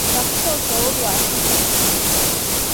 Tafuta ushauri wa afisa mifugo